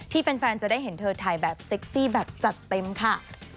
แฟนจะได้เห็นเธอถ่ายแบบเซ็กซี่แบบจัดเต็มค่ะ